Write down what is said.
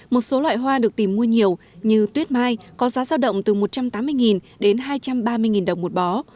một số loại hoa được tìm mua nhiều như tuyết mai có giá giao động từ một trăm tám mươi đến hai trăm ba mươi đồng một bó